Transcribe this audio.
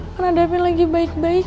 mana davin lagi baik baik